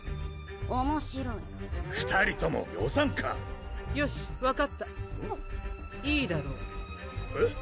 おもしろい２人ともよさんかよし分かったいいだろうえっ？